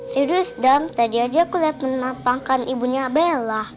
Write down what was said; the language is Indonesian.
serius dam tadi aja aku liat menapangkan ibunya bella